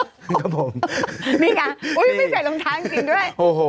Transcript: ครับผมนี่ไงไม่ใส่รองทางด้วยโอ้โห